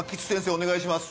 お願いします。